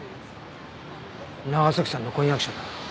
長崎さんの婚約者だ。